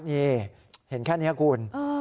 นี่เห็นแค่นี้คุณ